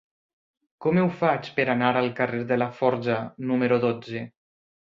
Com ho faig per anar al carrer de Laforja número dotze?